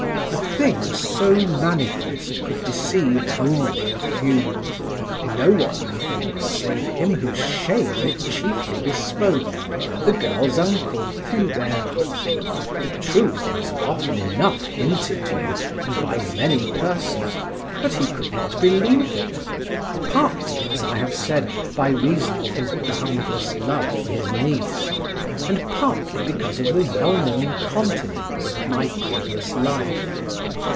A thing so manifest could deceive only a few, no one, methinks, save him whose shame it chiefly bespoke, the girl's uncle, Fulbert. The truth was often enough hinted to him, and by many persons, but he could not believe it, partly, as I have said, by reason of his boundless love for his niece, and partly because of the well known continence of my previous life.